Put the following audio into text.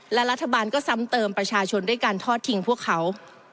และรัฐบาลก็ซ้ำเติมประชาชนด้วยการทอดทิ้งพวกเขา